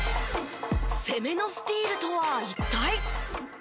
攻めのスティールとは一体？